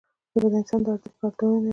ژبه د انسان د ارزښت ښکارندوی ده